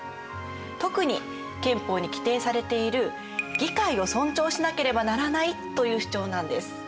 特に憲法に規定されている「議会を尊重しなければならない」という主張なんです。